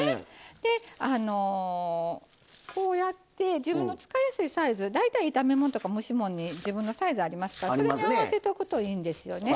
であのこうやって自分の使いやすいサイズ大体炒め物とか蒸し物に自分のサイズありますからそれに合わせておくといいんですよね。